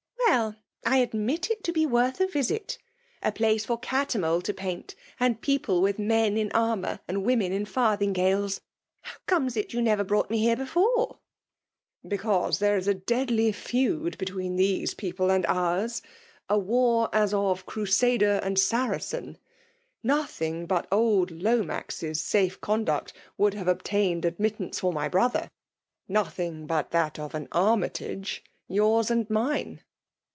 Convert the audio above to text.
*' Well ! I admit it to be worth a risit ! A place for Cattermole to paint sad people with meil in annour and women in fivthiBgalea! — ^How comes it you never brought me here before ?"Becawse tiiere is m dea^ femd between fliOBe people and oars; — a war as of Cntsader and Saraeen. Noflung but old Lomnx^a salb conduct would have obtained admittanoe ftir 296 . trwHiOJB domikaxiok. my brother;^ — ^nothing' but that of an Army tage yours and mine."